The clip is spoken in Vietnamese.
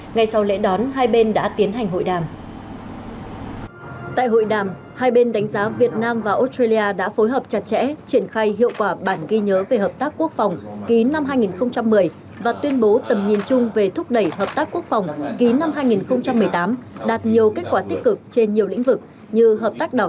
ngay sau lễ đón hai bên đã tiến hành hội đàm